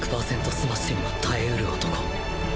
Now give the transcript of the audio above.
スマッシュにも耐えうる男！